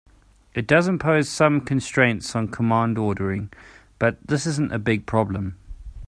It does impose some constraints on command ordering, but this isn't a big problem.